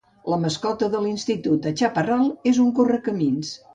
La mascota de l'institut de Chaparral és un correcamins.